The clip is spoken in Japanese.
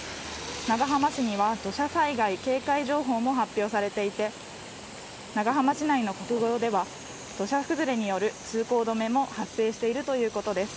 長浜市には土砂災害警戒情報も発表されていて長浜市内の国道では土砂崩れによる通行止めも発生しているということです